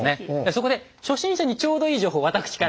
そこで初心者にちょうどいい情報をわたくしから。